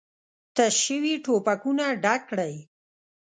تش شوي ټوپکونه ډک کړئ!